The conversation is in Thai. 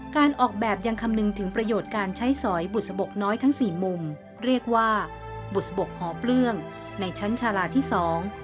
การออกแบบยังคำนึงถึงประโยชน์การใช้สอยบุษบกน้อยทั้งสี่มุมเรียกว่าบุษบกหอเปลื้องในชั้นชาลาที่สอง